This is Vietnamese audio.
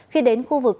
khi đến khu vực